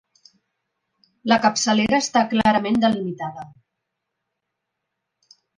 La capçalera està clarament delimitada.